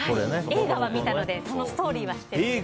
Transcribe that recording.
映画は見たのでストーリーは知ってるんですけど。